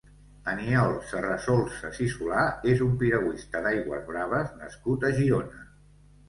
Aniol Serrasolses i Solà és un piragüista d'aigües braves nascut a Girona.